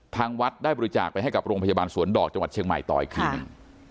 ทางวัดได้บริจาคไปให้กับโรงพยาบาลสวนดอกจังหวัดเชียงใหม่ต่ออีกทีหนึ่ง